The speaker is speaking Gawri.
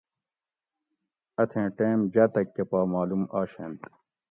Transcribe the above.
اتھیں ٹیم جاتک کہ پا مالوم آشینت